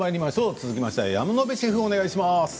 続きまして山野辺シェフお願いします。